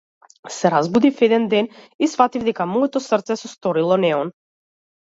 Се разбудив еден ден и сфатив дека моето срце се сторило неон.